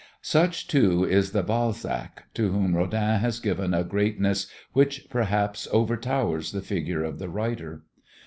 Such, too, is the "Balzac" to whom Rodin has given a greatness which, perhaps, overtowers the figure of the writer.